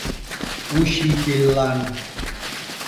— Учительлан!